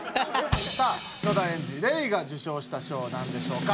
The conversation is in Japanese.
さあ野田エンジレイが受賞した賞はなんでしょうか？